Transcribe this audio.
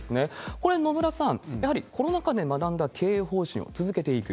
これ、野村さん、やはりコロナ禍で学んだ経営方針続けていく。